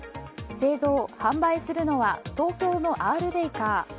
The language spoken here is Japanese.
製造・販売するのは東京のアールベイカー。